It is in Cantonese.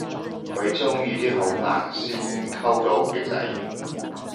佢鍾意啲好難先溝到嘅仔